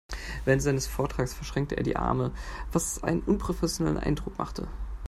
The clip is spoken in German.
Während seines Vortrages verschränkte er die Arme, was einen unprofessionellen Eindruck machte.